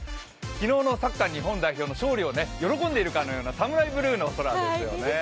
昨日のサッカー日本代表の勝利を喜んでいるかのようなサムライブルーの空ですよね。